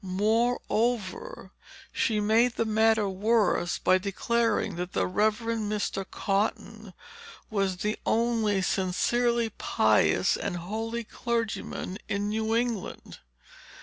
Moreover, she made the matter worse, by declaring that the Rev. Mr. Cotton was the only sincerely pious and holy clergyman in New England.